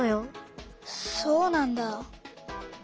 そうなんだ。